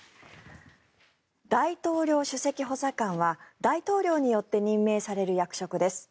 大統領首席補佐官は大統領によって任命される役職です。